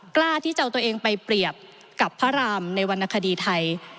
กล้าที่จะเอาตัวเองไปเปรียบกับพระรามในวรรณคดีไทย